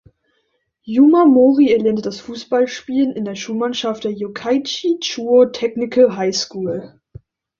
Yuma Mori erlernte das Fußballspielen in der Schulmannschaft der "Yokkaichi Chuo Technical High School".